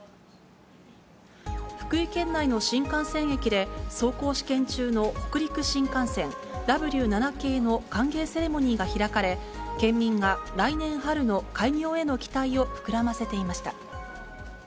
福井県内の新幹線駅で走行試験中の北陸新幹線Ｗ７系の歓迎セレモニーが開かれ、県民が来年春の開業への期待を膨らませていました。